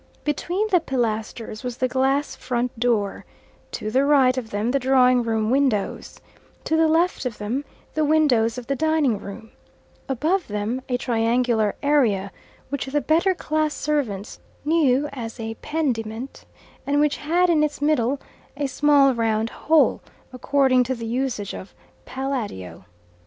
Between the pilasters was the glass front door, to the right of them the drawing room windows, to the left of them the windows of the dining room, above them a triangular area, which the better class servants knew as a "pendiment," and which had in its middle a small round hole, according to the usage of Palladio.